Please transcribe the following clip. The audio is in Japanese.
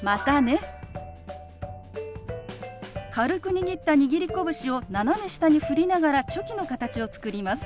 軽く握った握り拳を斜め下に振りながらチョキの形を作ります。